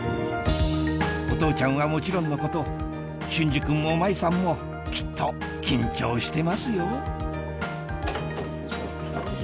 お父ちゃんはもちろんのこと隼司君もマイさんもきっと緊張してますよ